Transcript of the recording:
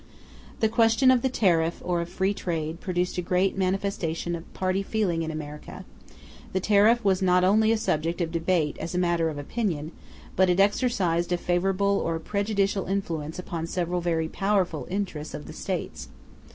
The question of the tariff, or of free trade, produced a great manifestation of party feeling in America; the tariff was not only a subject of debate as a matter of opinion, but it exercised a favorable or a prejudicial influence upon several very powerful interests of the States.